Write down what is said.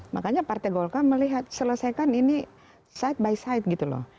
makanya partai golkar melihat selesaikan ini side by side gitu loh